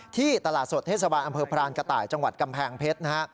ที่ตลาดสดเทศบาลอำเภอพรานกระต่ายจังหวัดกำแพงเพชรนะฮะ